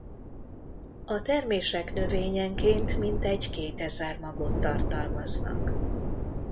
A termések növényenként mintegy kétezer magot tartalmaznak.